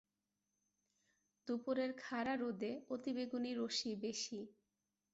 দুপুরের খাড়া রোদে অতিবেগুনি রশ্মি বেশি।